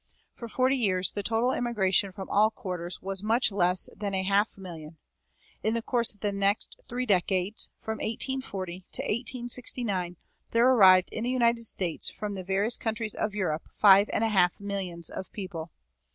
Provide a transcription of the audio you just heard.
For forty years the total immigration from all quarters was much less than a half million. In the course of the next three decades, from 1840 to 1869, there arrived in the United States from the various countries of Europe five and a half millions of people.